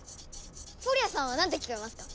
フォリアさんは何て聞こえますか？